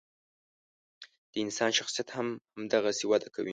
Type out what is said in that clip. د انسان شخصیت هم همدغسې وده کوي.